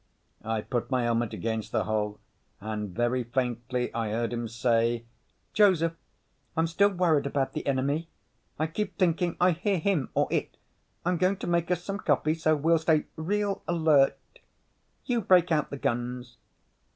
I put my helmet against the hull and very faintly I heard him say, "Joseph, I'm still worried about the enemy. I keep thinking I hear him or it. I'm going to make us some coffee, so we'll stay real alert. You break out the guns."